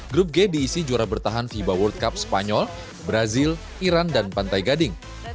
grup g diisi juara bertahan fiba world cup spanyol brazil iran dan pantai gading